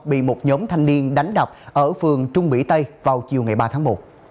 bị một nhóm thanh niên đánh đập ở phường trung mỹ tây vào chiều ngày ba tháng một